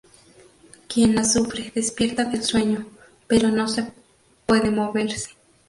Quien la sufre, despierta del sueño pero no se puede moverse.